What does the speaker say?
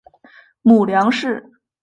母梁氏。